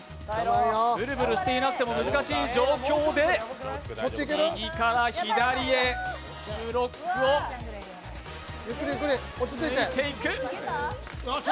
ブルブルしていなくても難しい状況で右から左へブロックを抜いていく。